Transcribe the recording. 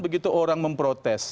begitu orang memprotes